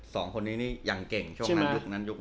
สองคนนี้นี่ยังเก่งช่วงนั้นยุคนั้นยุคนี้